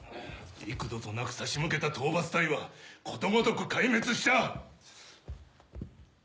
幾度となく差し向けた討伐隊はことごとく壊滅した！